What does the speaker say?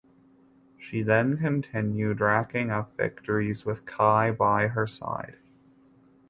She then continued racking up victories with Kai by her side.